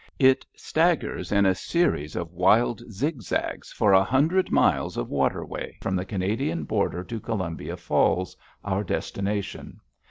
It staggers in a series of wild zigzags for a hundred miles of waterway from the Canadian border to Columbia Falls, our destination.